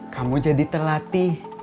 kamu jadi terlatih